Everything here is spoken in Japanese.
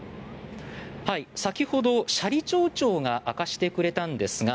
先ほど斜里町長が明かしてくれたんですが